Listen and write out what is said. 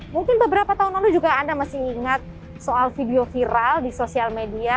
mungkin beberapa tahun lalu juga anda masih ingat soal video viral di sosial media